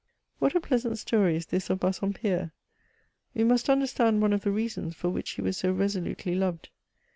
What a pleasant story is this of Bassompierre 1 We must understand one of the reasons for which he was so resolutely loved.